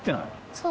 そう。